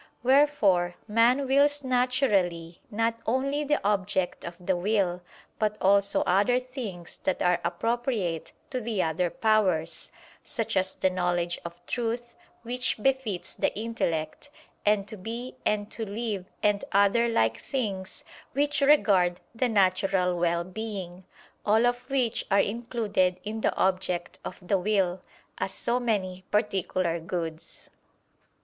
Wherefore man wills naturally not only the object of the will, but also other things that are appropriate to the other powers; such as the knowledge of truth, which befits the intellect; and to be and to live and other like things which regard the natural well being; all of which are included in the object of the will, as so many particular goods.